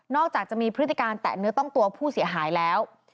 จากจะมีพฤติการแตะเนื้อต้องตัวผู้เสียหายแล้ว